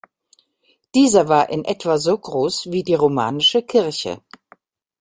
Dieser war in etwa so groß wie die romanische Kirche.